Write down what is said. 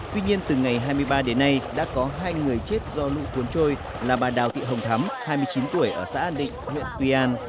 tuy nhiên từ ngày hai mươi ba đến nay đã có hai người chết do lũ cuốn trôi là bà đào thị hồng thắm hai mươi chín tuổi ở xã an định huyện tuy an